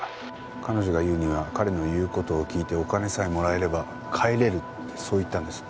彼女が言うには「彼の言う事を聞いてお金さえもらえれば帰れる」ってそう言ったんです。